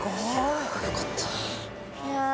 よかったー。